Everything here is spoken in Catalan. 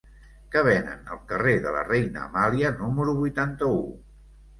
Què venen al carrer de la Reina Amàlia número vuitanta-u?